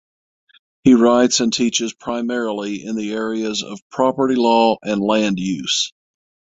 He writes and teaches primarily in the areas of property law and land use.